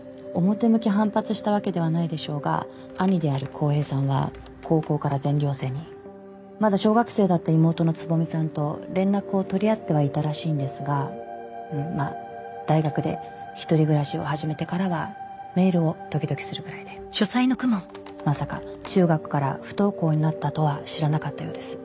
表向き反発したわけではないでしょうが兄である公平さんは高校から全寮制にまだ小学生だった妹の蕾さんと連絡を取り合ってはいたらしいんですがまあ大学で１人暮らしを始めてからはメールを時々するぐらいでまさか中学から不登校になったとは知らなかったようです